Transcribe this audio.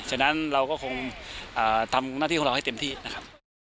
ฉะนั้นเราก็คงทำหน้าที่ของเราให้เต็มที่นะครับ